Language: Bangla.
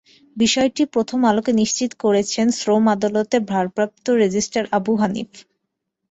বিষয়টি প্রথম আলোকে নিশ্চিত করেছেন শ্রম আদালতের ভারপ্রাপ্ত রেজিস্ট্রার আবু হানিফ।